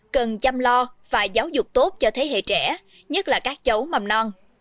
cần chăm lo và giáo dục tốt cho thế hệ trẻ nhất là các cháu mầm non